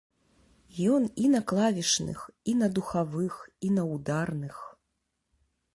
Ён і на клавішных, і на духавых, і на ўдарных.